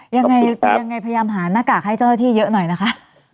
ยังไงยังไงพยายามหาหน้ากากให้เจ้าหน้าที่เยอะหน่อยนะคะ